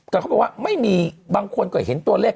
แต่เขาบอกว่าไม่มีบางคนก็เห็นตัวเลข